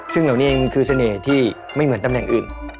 ซึ่งเหล่านี้เองคือเสน่ห์ที่ไม่เหมือนตำแหน่งอื่น